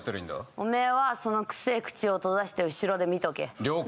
おめえはその臭え口を閉ざして後ろで見とけ了解